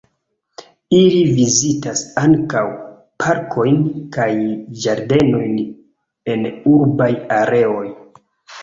Ili vizitas ankaŭ parkojn kaj ĝardenojn en urbaj areoj.